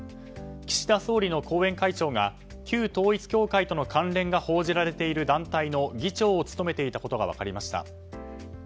岸田総理の後援会長が旧統一教会との関連が報じられている団体の議長を務めていたことが分かりました。